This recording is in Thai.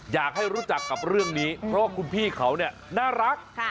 อยากให้รู้จักกับเรื่องนี้เพราะว่าคุณพี่เขาเนี่ยน่ารัก